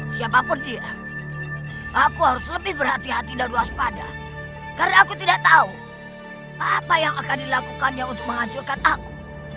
siapapun dia aku harus lebih berhati hati dan waspada karena aku tidak tahu apa yang akan dilakukannya untuk menghancurkan aku